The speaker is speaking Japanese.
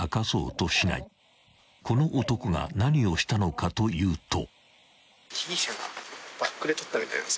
［この男が何をしたのかというと］